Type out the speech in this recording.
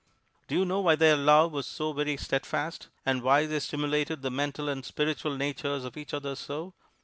"Do you know why their love was so very steadfast, and why they stimulated the mental and spiritual natures of each other so?"